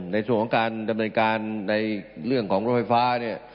ในส่วนของการดำเนินการในเรื่องของรถไฟฟ้าเนี่ย